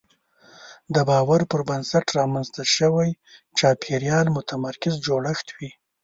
د باور پر بنسټ رامنځته شوی چاپېریال متمرکز جوړښت وي.